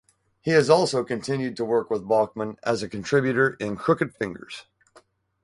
He has also continued to work with Bachmann as a contributor in Crooked Fingers.